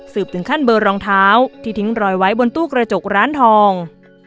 ถึงขั้นเบอร์รองเท้าที่ทิ้งรอยไว้บนตู้กระจกร้านทอง